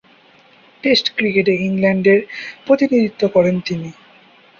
Test ক্রিকেটে ইংল্যান্ডের প্রতিনিধিত্ব করেন তিনি।